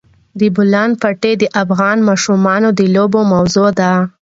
د بولان پټي د افغان ماشومانو د لوبو موضوع ده.